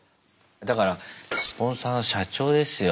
だからスポンサーの社長ですよ。